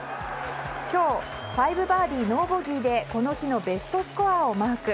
今日、５バーディーノーボギーでこの日のベストスコアをマーク。